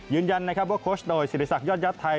ยืนยันนะครับว่าโค้ชโดยศิริษักยอดยัดไทย